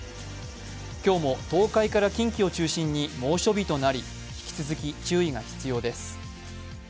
今日も東海から近畿を中心に猛暑日となり、引き続き、注意が必要です。